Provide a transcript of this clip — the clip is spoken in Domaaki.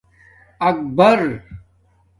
آکبر